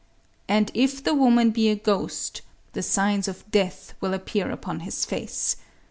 And if the woman be a ghost, the signs of death will appear upon his face.